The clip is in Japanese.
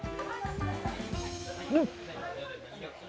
うん！